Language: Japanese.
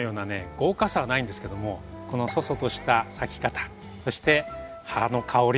豪華さはないんですけどもこの楚々とした咲き方そして花の香り。